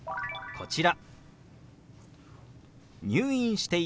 こちら。